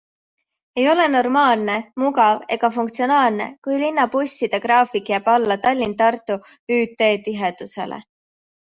Ei ole normaalne, mugav ega funktsionaalne, kui linnabusside graafik jääb alla Tallinn-Tartu ÜT tihedusele.